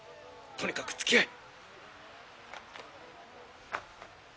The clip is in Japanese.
とにかくつきあえ！